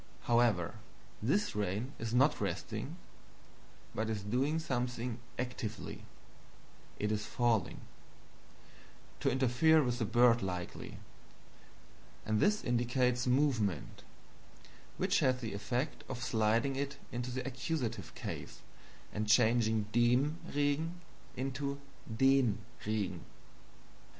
However, this rain is not resting, but is doing something ACTIVELY, it is falling to interfere with the bird, likely and this indicates MOVEMENT, which has the effect of sliding it into the Accusative case and changing DEM Regen into DEN Regen."